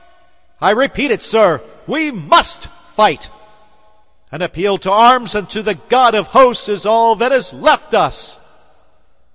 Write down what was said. I repeat it, sir, we must fight! An appeal to arms and to the God of hosts is all that is left us!